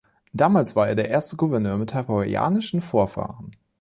Damals war er der erste Gouverneur mit hawaiianischen Vorfahren.